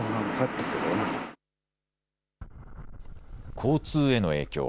交通への影響。